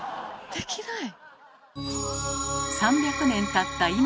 できない。